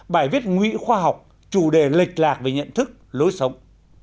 bài viết ngụy khoa học chủ đề lệch lạc về nhận thức lối sống